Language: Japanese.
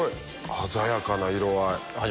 鮮やかな色合い。